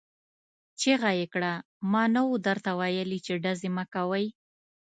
چيغه يې کړه! ما نه وو درته ويلي چې ډزې مه کوئ!